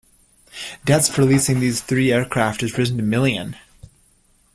Debts for leasing these three aircraft had risen to million.